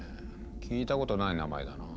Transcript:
聞いたことない名前だな。